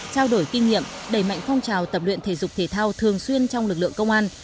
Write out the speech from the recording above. trao đổi kinh nghiệm đẩy mạnh phong trào tập luyện thể dục thể thao thường xuyên trong lực lượng công an